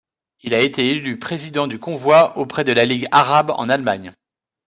Il a été élu président du convoi auprès de la Ligue Arabe en Allemagne.